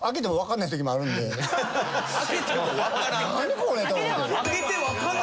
これ」と思って。